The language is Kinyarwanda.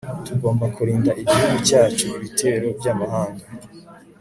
tugomba kurinda igihugu cyacu ibitero by'amahanga